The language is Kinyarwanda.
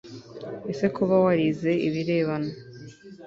ese kuba warize ibirebana